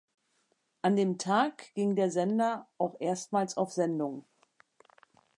An dem Tag ging der Sender auch erstmals auf Sendung.